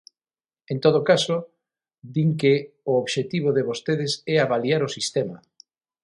En todo caso, din que o obxectivo de vostedes é avaliar o sistema.